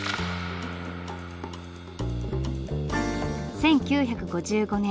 １９５５年